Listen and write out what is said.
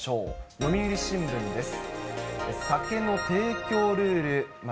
読売新聞です。